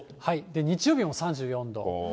日曜日も３４度。